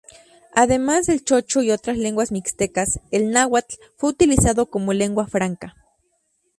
Además del chocho y otras lenguas mixtecas, el náhuatl fue utilizado como lengua franca.